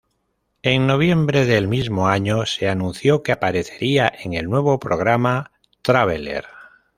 En noviembre del mismo año se anunció que aparecería en el nuevo programa "Traveler".